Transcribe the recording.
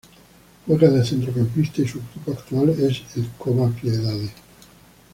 Juega de centrocampista y su equipo actual es el Cova Piedade.